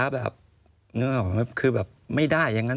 แบบไม่ได้อย่างนั้น